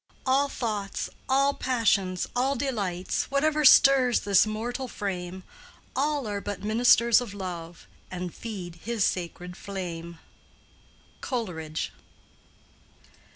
"All thoughts, all passions, all delights, Whatever stirs this mortal frame, All are but ministers of Love, And feed his sacred flame." —COLERIDGE.